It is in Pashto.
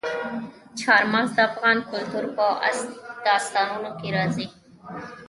چار مغز د افغان کلتور په داستانونو کې راځي.